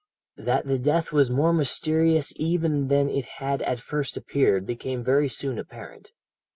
"That the death was more mysterious even than it had at first appeared became very soon apparent.